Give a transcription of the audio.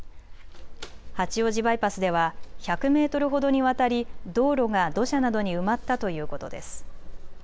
八王子バイパスでは１００メートルほどにわたり道路が土砂などに埋まったということです。